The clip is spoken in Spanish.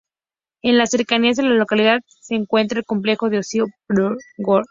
En las cercanías de la localidad se encuentra el complejo de ocio PortAventura World.